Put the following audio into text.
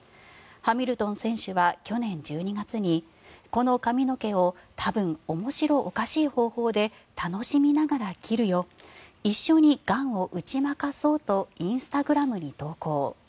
ハミルトン選手は去年１２月にこの髪の毛を多分、面白おかしい方法で楽しみながら切るよ一緒にがんを打ち負かそうとインスタグラムに投稿。